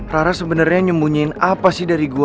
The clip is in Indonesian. rara sebenernya nyembunyiin apa sih dari gue